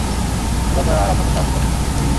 খোদার দয়া আর আপনাদের সাহায্যে, সবকিছু ঠিক হয়ে গেছে।